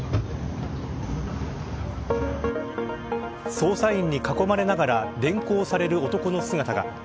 捜査員に囲まれながら連行される男の姿が。